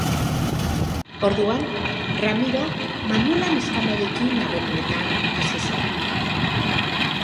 Orduan, Ramiro Manuela neskamearekin harremanetan hasi zen.